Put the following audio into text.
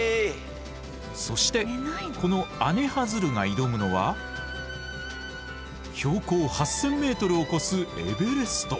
そしてこのアネハヅルが挑むのは標高８，０００メートルを超すエベレスト！